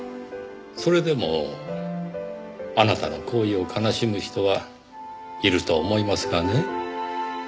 それでもあなたの行為を悲しむ人はいると思いますがね。